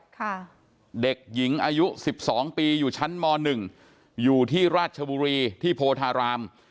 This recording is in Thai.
ค่ะเด็กหญิงอายุสิบสองปีอยู่ชั้นมหนึ่งอยู่ที่ราชบุรีที่โพธาราม